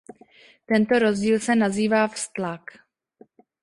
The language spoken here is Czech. Tento rozdíl se nazývá vztlak.